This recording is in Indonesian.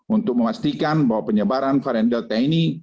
untuk memastikan bahwa penyebaran varian delta ini